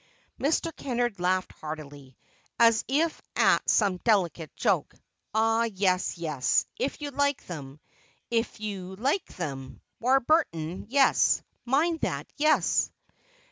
Mr. Kennard laughed heartily, as if at some delicate joke. "Ah, yes, yes, if you like them—if you like them, Warburton, yes—mind that, yes!"